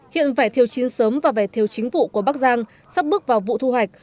hiện vải thiêu chính sớm và vải thiêu chính vụ của bắc giang sắp bước vào vụ thu hoạch